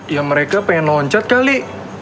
ya mereka pengen loncat kali